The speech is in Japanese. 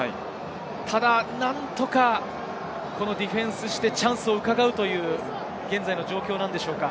ただ何とかディフェンスしてチャンスを伺うという、現在の状況なんでしょうか。